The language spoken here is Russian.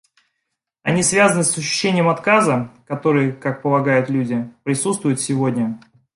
Они связаны с ощущением отказа, который, как полагают люди, присутствует сегодня.